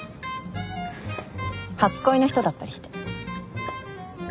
初恋の人だったりして。